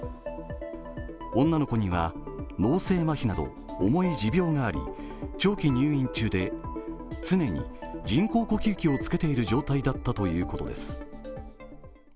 女の子には脳性まひなど重い持病があり、長期入院中で常に人工呼吸器をつけている状態だったということです。